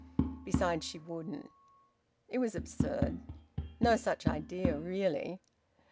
... Besides, she wouldn't... It was absurd... No such idea really!